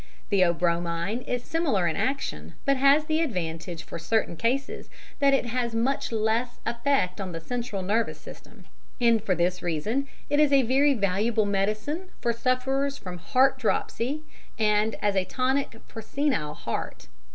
Theobromine is similar in action, but has the advantage for certain cases, that it has much less effect on the central nervous system, and for this reason it is a very valuable medicine for sufferers from heart dropsy, and as a tonic for senile heart.